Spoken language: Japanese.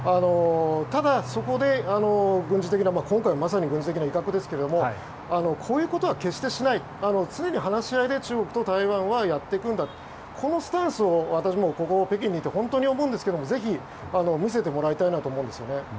ただ、そこで軍事的な今回まさに軍事的な威嚇ですがこういうことは決してしない常に話し合いで中国と台湾はやっていくんだこのスタンスを私、ここ北京にいて本当に思うんですがぜひ見せてもらいたいなと思うんですよね。